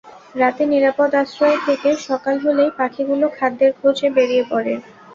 রাতে নিরাপদ আশ্রয়ে থেকে সকাল হলেই পাখিগুলো খাদ্যের খোঁজে বেরিয়ে পড়ে।